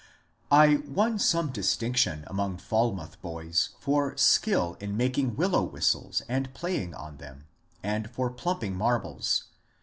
I won some distinction among Falmouth boys for skill in making willow whistles and playing on them, and for plump ing marbles.